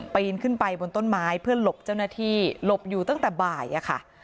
ปีนขึ้นไปบนต้นไม้เพื่อหลบเจ้าหน้าที่หลบอยู่ตั้งแต่บ่ายอะค่ะ